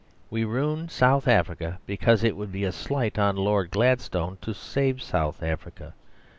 We ruin South Africa because it would be a slight on Lord Gladstone to save South Africa.